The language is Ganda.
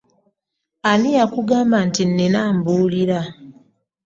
Ani yakugamba nti nnina ambuulira?